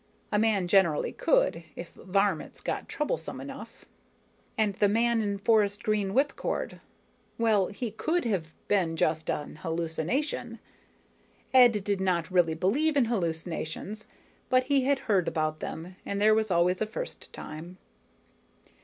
A man generally could, if varmints got troublesome enough. And the man in forest green whipcord, well, he could have been just an hallucination. Ed did not really believe in hallucinations, but he had heard about them, and there was always a first time.